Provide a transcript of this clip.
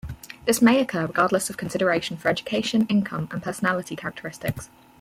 This may occur regardless of consideration for education, income, and personality characteristics.